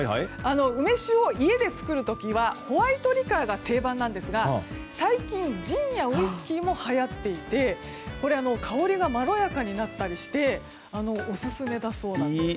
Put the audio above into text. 梅酒を家でつくるときはホワイトリカーが定番なんですが最近、ジンやウイスキーもはやっていて香りがまろやかになったりしてオススメだそうなんです。